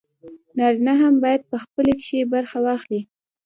نارينه هم بايد په پخلي کښې برخه واخلي